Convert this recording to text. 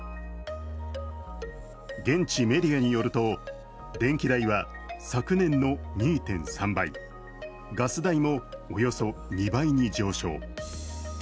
現地メディアによると、電気代は昨年の２．３倍、ガス代もおよそ２倍に上昇。